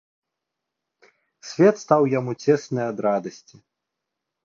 Свет стаў яму цесны ад радасці.